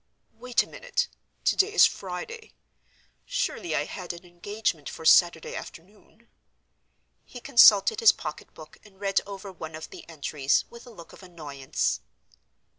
—Wait a minute! Today is Friday. Surely I had an engagement for Saturday afternoon?" He consulted his pocketbook and read over one of the entries, with a look of annoyance.